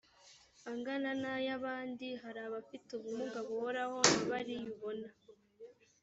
angana n ay abandi hari abafite ubumuga buhoraho nka bariya ubona